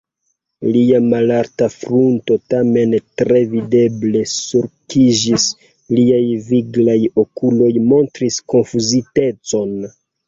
Lia malalta frunto tamen tre videble sulkiĝis, liaj viglaj okuloj montris konfuzitecon.